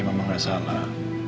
mama gak salah